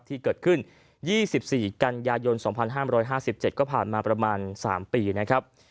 ที่เกิดขึ้น๒๔กันยายน๒๕๕๗ก็ผ่านมาประมาณ๓ปีนะครับ